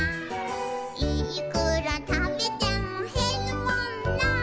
「いーくらたべてもへるもんなー」